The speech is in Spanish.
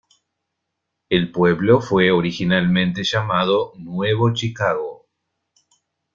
El pueblo fue originalmente llamado "Nuevo Chicago".